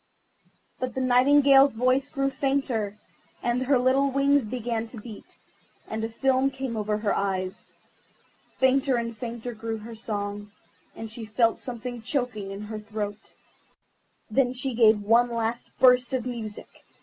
But the Nightingale's voice grew fainter, and her little wings began to beat, and a film came over her eyes. Fainter and fainter grew her song, and she felt something choking her in her throat. Then she gave one last burst of music.